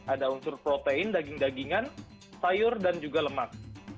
ada unsur protein daging dagingan sayur dan juga lemak